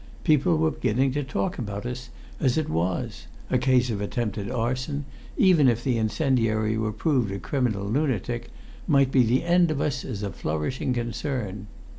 People were beginning to talk about us as it was; a case of attempted arson, even if the incendiary were proved a criminal lunatic, might be the end of us as a flourishing concern.